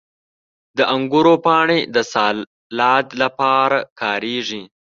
• د انګورو پاڼې د سالاد لپاره کارېږي.